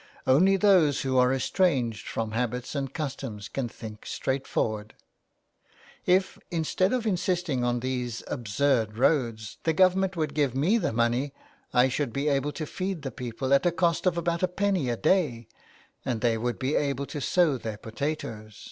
Only those who are estranged from habits and customs can think straightforward. " If, instead of insisting on these absurd roads, the Government would give me the money, I should be able to feed the people at a cost of about a penny a day, and they would be able to sow their potatoes.